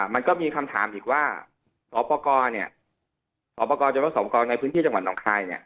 มันก็มีคำถามอีกว่าสวปกรณ์เนี่ยสวปกรณ์ในพื้นที่จังหวัดต่องคลายเนี่ย